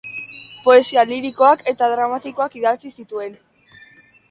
Poesia lirikoak eta dramatikoak idatzi zituen.